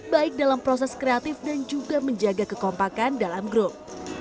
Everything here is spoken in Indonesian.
baik dalam proses kreatif dan juga menjaga kekompakan dalam grup